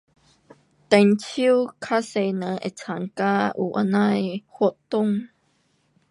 中秋较多人会参加有这样的活动。